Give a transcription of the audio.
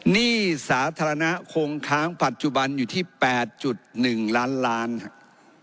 หนี้สาธารณะคงค้างปัจจุบันอยู่ที่๘๑ล้านล้านครับ